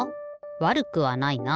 わるくはないな。